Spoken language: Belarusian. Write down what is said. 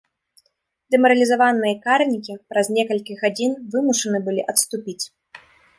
Дэмаралізаваныя карнікі праз некалькі гадзін вымушаны былі адступіць.